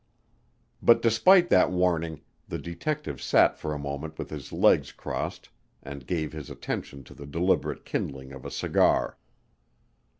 But despite that warning the detective sat for a moment with his legs crossed and gave his attention to the deliberate kindling of a cigar.